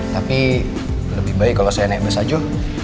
tapi lebih baik kalau saya naik bus aja